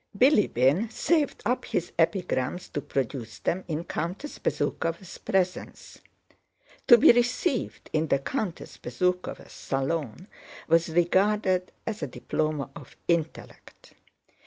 Bilíbin saved up his epigrams to produce them in Countess Bezúkhova's presence. To be received in the Countess Bezúkhova's salon was regarded as a diploma of intellect.